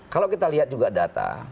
kalau kita lihat juga data